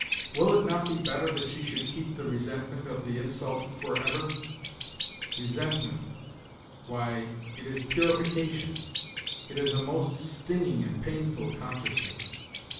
" Will it not be better that she should keep the resentment of the insult for ever? Resentment why, it is purification; it is a most stinging and painful consciousness